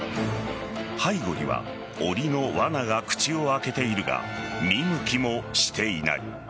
背後にはおりのわなが口を開けているが見向きもしていない。